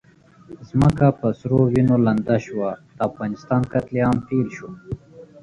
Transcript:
ځمکه په سرو وینو لنده شوه، د افغان قتل عام پیل شو.